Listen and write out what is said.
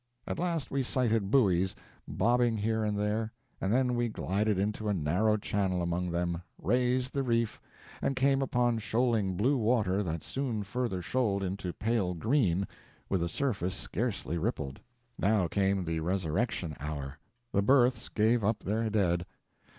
At last we sighted buoys, bobbing here and there, and then we glided into a narrow channel among them, "raised the reef," and came upon shoaling blue water that soon further shoaled into pale green, with a surface scarcely rippled. Now came the resurrection hour; the berths gave up their dead.